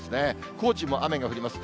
高知も雨が降ります。